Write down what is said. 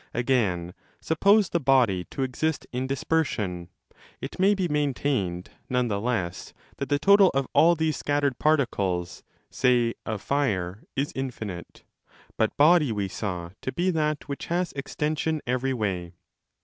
Again, suppose the body to exist in dispersion, it may be maintained none the less that the total of all these scattered particles, say, of fire, is 20 infinite.? But body we saw to be that which has exten sion every way.